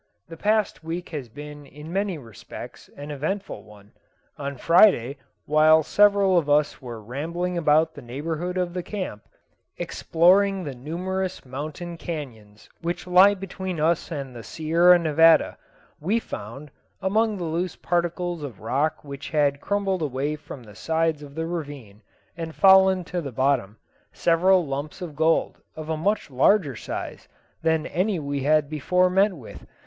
The past week has been in many respects an eventful one. On Friday, while several of us were rambling about the neighbourhood of the camp, exploring the numerous mountain canones which lie between us and the Sierra Nevada, we found, among the loose particles of rock which had crumbled away from the sides of the ravine and fallen to the bottom, several lumps of gold of a much larger size than any we had before met with.